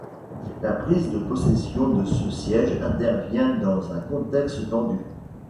La prise de possession de ce siège intervient dans un contexte tendu.